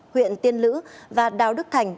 huyện tiên lữ và đào đức thành